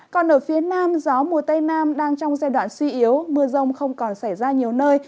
còn ở phía nam gió mùa tây nam đang trong giai đoạn suy yếu mưa rông không còn xảy ra nhiều nơi